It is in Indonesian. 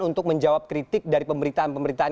untuk menjawab kritik dari pemerintahan pemerintahan